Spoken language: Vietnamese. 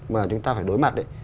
mà chúng ta phải đối mặt